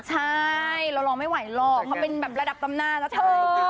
ใช่เรารอไม่ไหวหรอกเขาเป็นแบบระดับตำนานนะเธอ